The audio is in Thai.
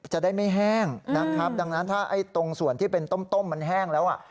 จะได้ไม่แห้งนะครับดังนั้นถ้าไอ้ตรงส่วนที่เป็นต้มมันแห้งแล้วอ่ะ